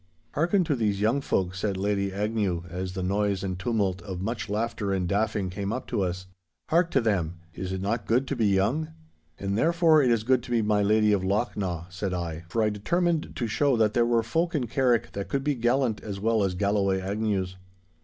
'Hearken to these young folk,' said Lady Agnew, as the noise and tumult of much laughter and daffing came up to us. 'Hark to them. Is it not good to be young?' 'And therefore it is good to be my Lady of Lochnaw!' said I, for I determined to show that there were folk in Carrick that could be gallant as well as Galloway Agnews.